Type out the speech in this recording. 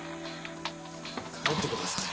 帰ってください